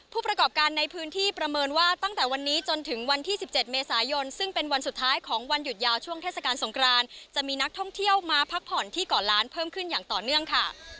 ผู้ประกอบการในพื้นที่ประเมินว่าตั้งแต่วันนี้จนถึงวันที่๑๗เมษายนซึ่งเป็นวันสุดท้ายของวันหยุดยาวช่วงเทศกาลสงครานจะมีนักท่องเที่ยวมาพักผ่อนที่เกาะล้านเพิ่มขึ้นอย่างต่อเนื่องค่ะ